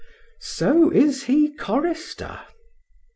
So is he chorister.